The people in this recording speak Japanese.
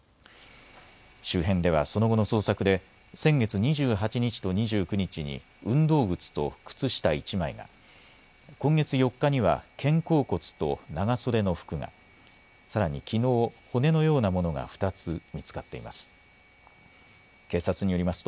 周辺ではその後の捜索で、先月２８日と２９日に、運動靴と靴下１枚が、今月４日には肩甲骨と長袖の服が、さらにきのう、骨のようなものが２つ見つかっています。